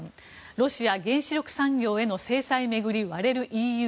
ロシア原子力産業への制裁巡り割れるＥＵ。